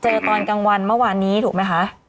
ตอนกลางวันเมื่อวานนี้ถูกไหมคะ